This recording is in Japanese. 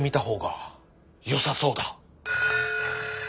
よさそうだ。